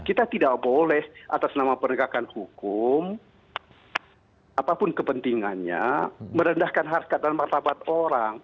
kita tidak boleh atas nama penegakan hukum apapun kepentingannya merendahkan harkat dan martabat orang